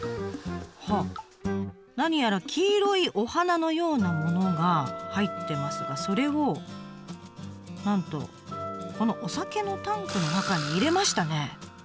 はあ何やら黄色いお花のようなものが入ってますがそれをなんとこのお酒のタンクの中に入れましたね。